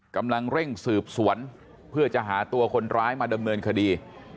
กำลังเร่งสืบสวนเพื่อจะหาตัวคนร้ายมาดำเนินคดี